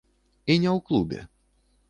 І не ў клубе.